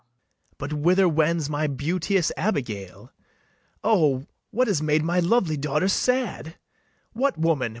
Enter ABIGAIL. But whither wends my beauteous Abigail? O, what has made my lovely daughter sad? What, woman!